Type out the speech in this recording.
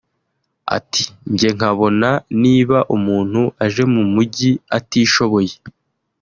Ati “Njye nkabona niba umuntu aje mu mujyi atishoboye